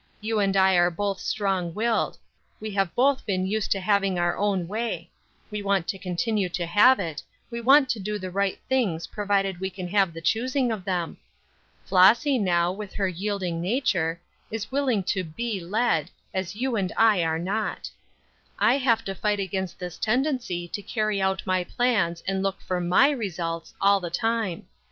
You and I are both strong willed; we have both been used to having our own way; we want to continue to have it; we want to do the right things provided we can have the choosing of them. Flossy, now, with her yielding nature, is willing to be led, as you and I are not. I have to fight against this tendency to carry out my plans and look for my results all the time.